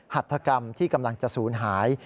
หัดธกรรมที่กำลังจะสูญหาย